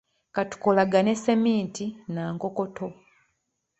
Katukolagane sseminti n'ankokoto.